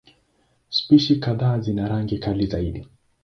Spishi kadhaa zina rangi kali zaidi.